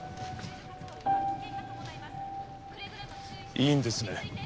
いいんですね？